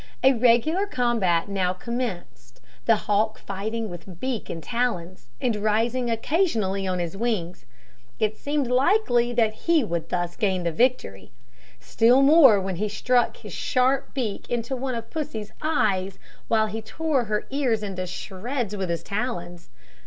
A regular combat now commenced, the hawk fighting with beak and talons, and rising occasionally on his wings. It seemed likely that he would thus gain the victory; still more when he struck his sharp beak into one of Pussy's eyes, while he tore her ears into shreds with his talons.